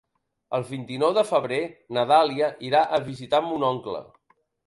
El vint-i-nou de febrer na Dàlia irà a visitar mon oncle.